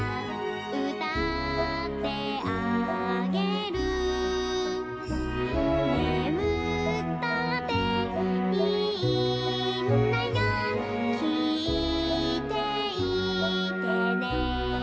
「うたってあげる」「ねむったっていいんだよきいていてね、、、」